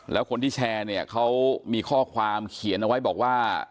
แล้วคนที่แชร์เนี่ยเขามีข้อความเขียนเอาไว้บอกว่า